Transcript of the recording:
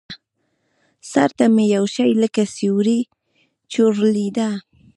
سر ته مې يو شى لکه سيورى چورلېده.